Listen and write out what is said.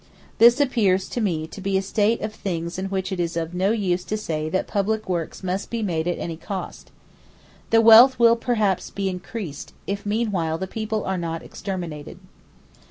This appears to me to be a state of things in which it is no use to say that public works must be made at any cost. The wealth will perhaps be increased, if meanwhile the people are not exterminated.